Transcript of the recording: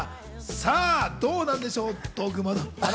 さぁどうなんでしょう。